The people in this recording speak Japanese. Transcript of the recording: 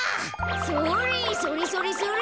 それそれそれそれ。